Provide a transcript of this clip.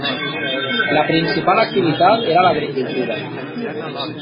La principal activitat era l'agricultura.